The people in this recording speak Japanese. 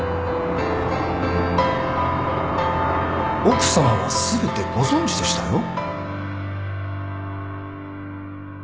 奥さまは全てご存じでしたよ